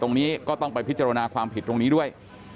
ตรงนี้ก็ต้องไปพิจารณาความผิดตรงนี้ด้วย